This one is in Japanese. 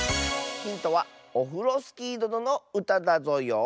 ヒントはオフロスキーどののうただぞよ。